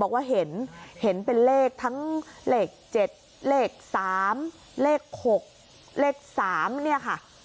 บอกว่าเห็นเป็นเลขทั้งเลข๗๓๖๓เนี่ยค่ะ